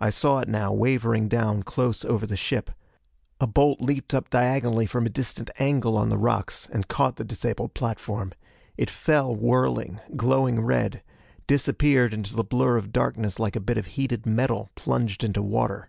I saw it now, wavering down, close over the ship. A bolt leaped up diagonally from a distant angle on the rocks and caught the disabled platform. It fell, whirling, glowing red disappeared into the blur of darkness like a bit of heated metal plunged into water.